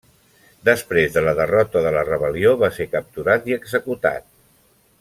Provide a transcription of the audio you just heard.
Després de la derrota de la rebel·lió va ser capturat i executat.